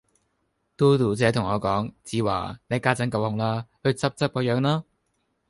Dodo 姐同我講：子華，你家陣夠紅啦，去執執個樣啦